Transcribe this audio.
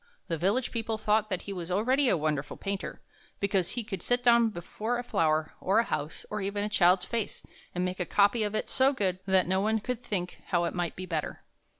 The village people thought that he was already a wonderful painter, because he could sit down before a flower, or a house, or even a child's face, and make a copy of it so good that no one could think how it might be better.